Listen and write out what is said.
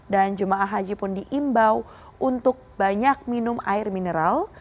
dan jemaah haji pun diimbau untuk banyak minum air mineral